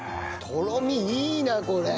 とろみいいなこれ。